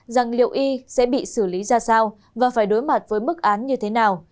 rằng liệu y sẽ bị xử lý ra sao và phải đối mặt với mức án như thế nào